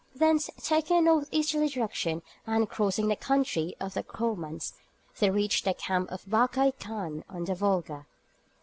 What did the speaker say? Thence, taking a north easterly direction and crossing the country of the Comans, they reached the camp of Barkaï Khan on the Volga.